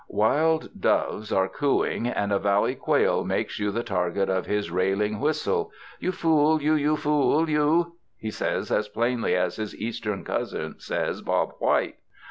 Wild doves are cooing and a valley quail makes you the target of his railing whistle. "You fool — you, you fool — you," he says as plainly as his eastern cousin says "Bob White."